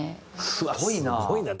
すごいな。